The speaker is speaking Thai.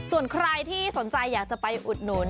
ส่วนใครที่สนใจอยากจะไปอุดหนุน